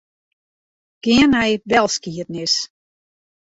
Gean nei belskiednis.